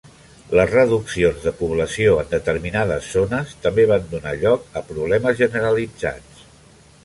Les reduccions de població en determinades zones també van donar lloc a problemes generalitzats.